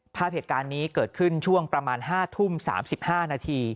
ภาพเหตุการณ์นี้เกิดขึ้นช่วงประมาณ๕ทุ่ม๓๕นาที